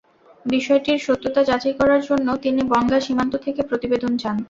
বিষয়টির সত্যতা যাচাই করার জন্য তিনি বনগাঁ সীমান্ত থেকে প্রতিবেদন চান।